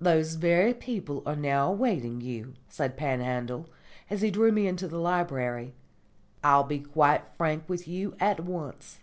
"Those very people are now awaiting you," said Panhandle, as he drew me into the library. "I will be quite frank with you at once.